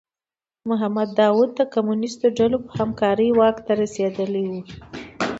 محمد داوود د کمونیستو ډلو په همکارۍ واک ته رسېدلی و.